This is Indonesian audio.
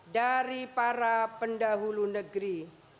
dari para pendahulu negeri